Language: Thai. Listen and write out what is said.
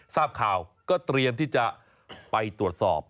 ทราบข่าวก็เตรียมที่จะไปตรวจสอบ